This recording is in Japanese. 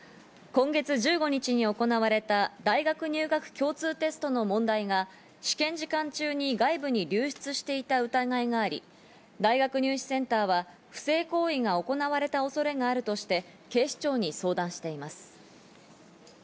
今月１５日に行われた大学入学共通テストの問題が、試験時間中に外部に流出していた疑いがあり、大学入試センターは不正行為が行われた恐れがあるとして警視庁に相談しています。